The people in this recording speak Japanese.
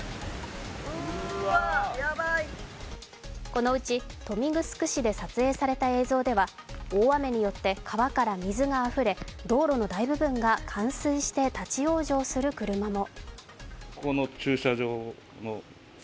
このうち豊見城市で撮影された映像では大雨によって川から水があふれ道路の大部分が冠水して立往生する車も。